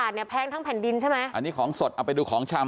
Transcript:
อันนี้ของสดเอาไปดูของชำ